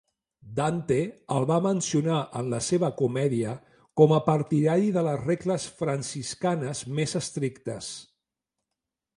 Dante el va mencionar en la seva "Comèdia", com a partidari de les regles franciscanes més estrictes.